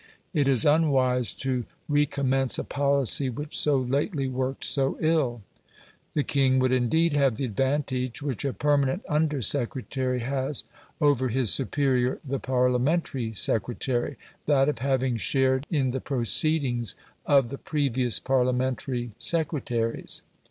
It is unwise to recommence a policy which so lately worked so ill." The king would indeed have the advantage which a permanent under secretary has over his superior the Parliamentary secretary that of having shared in the proceedings of the previous Parliamentary secretaries.